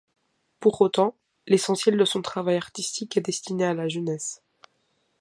Pour autant, l'essentiel de son travail artistique est destiné à la jeunesse.